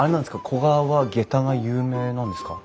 古河はげたが有名なんですか？